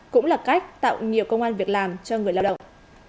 cũng là cách tạo nhiều công an việc làm cho người lao động